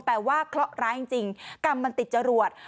แต่ว่าเคราะห์ร้ายจริงกรรมมันติดจรวด